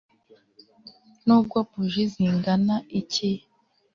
nubwo buji zingana iki